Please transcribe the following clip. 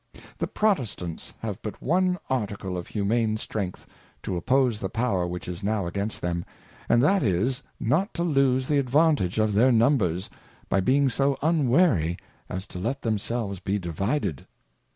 The Protestants have but one Article of Humane Strength, to oppose the Power which is now against them, and that is, not to lose the advantage of their Numbers, by being so unwary as to let themselves be divided.